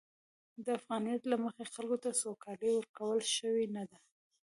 د افغانیت له مخې، خلکو ته سوکالي ورکول شوې نه ده.